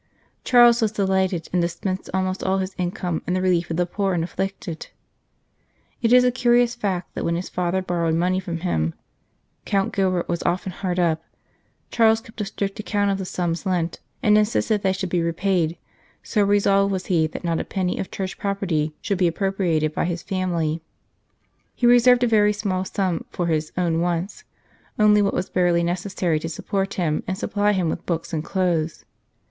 Charles was delighted, and dis pensed almost all his income in the relief of the poor and afflicted. It is a curious fact that when his father bor rowed money from him Count Gilbert was often hard up Charles kept a strict account of the sums lent, and insisted that they should be repaid, so resolved was he that not a penny of Church property should be appropriated by his family. 4 The Brightness of God He reserved a very small sum for his ?wn wants, only what was barely necessary to support him and supply him with books and clothes.